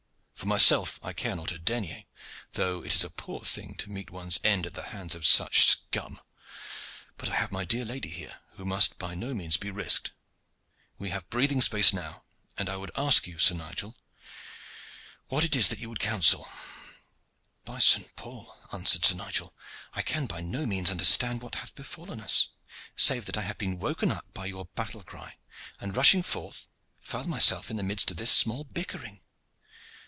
For myself I care not a denier, though it is a poor thing to meet one's end at the hands of such scum; but I have my dear lady here, who must by no means be risked. We have breathing space now, and I would ask you, Sir Nigel, what it is that you would counsel?" "By St. Paul!" answered Sir Nigel, "I can by no means understand what hath befallen us, save that I have been woken up by your battle cry, and, rushing forth, found myself in the midst of this small bickering.